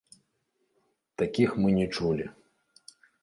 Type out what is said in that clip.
Такіх мы не чулі.